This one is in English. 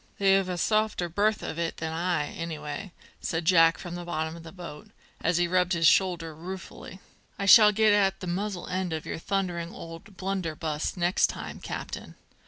"They've a softer berth of it than I, anyway," said Jack from the bottom of the boat, as he rubbed his shoulder ruefully. "I shall get at the muzzle end of your thundering old blunderbuss next time, captain.